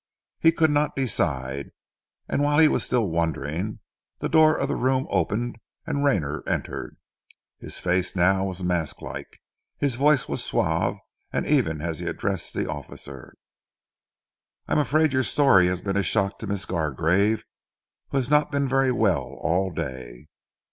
He could not decide, and whilst he was still wondering, the door of the room opened and Rayner entered. His face now was mask like, and his voice was suave and even as he addressed the officer. "I am afraid your story has been a shock to Miss Gargarve, who has not been very well all day.